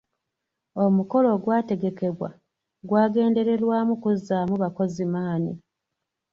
Omukolo ogwategekebwa gwagendererwamu kuzzaamu bakozi maanyi.